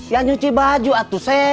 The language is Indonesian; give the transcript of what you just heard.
ya nyuci baju